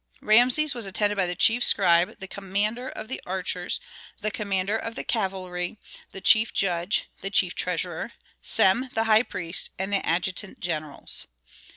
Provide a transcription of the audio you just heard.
Rameses was attended by the chief scribe, the commander of the archers, the commander of the cavalry, the chief judge, the chief treasurer, Sem the high priest, and the adjutant generals.